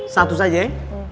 satu saja ya